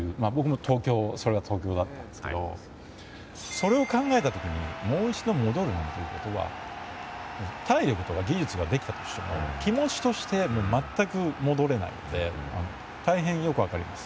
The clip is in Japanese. それを考えたときに、もう一度戻るなんていうことは体力とか技術ができたとしても気持ちとして全く戻れないので大変よく分かります。